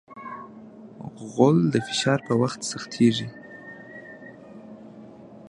غول د فشار په وخت سختېږي.